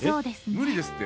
無理ですって。